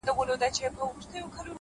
• دا کيږي چي زړه له ياده وباسم ـ